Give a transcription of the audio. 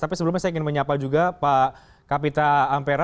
tapi sebelumnya saya ingin menyapa juga pak kapita ampera